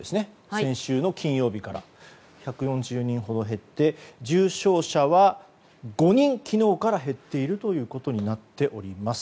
先週の金曜日から１４０人ほど減って重症者は、５人昨日から減っているということになっております。